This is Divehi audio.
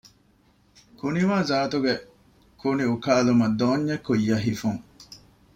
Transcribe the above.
ކުނިވާޒާތުގެ ކުނިއުކާލުމަށް ދޯންޏެއް ކުއްޔަށް ހިފުން